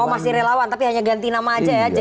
oh masih relawan tapi hanya ganti nama aja ya